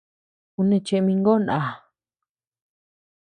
Ú neʼe cheʼe mïngó náa.